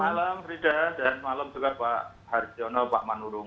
malam frida dan malam juga pak harjono pak manurung